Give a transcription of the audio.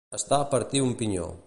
Estar a partir un pinyó.